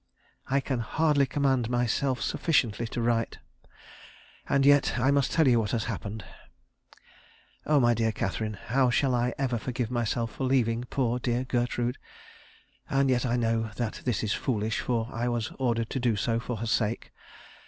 I can hardly command myself sufficiently to write, and yet I must tell you what has happened. Oh, my dear Catherine, how shall I ever forgive myself for leaving poor dear Gertrude; and yet I know that this is foolish, for I was ordered to do so for her sake.